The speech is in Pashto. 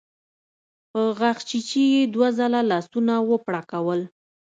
په غاښچيچي يې دوه ځله لاسونه وپړکول.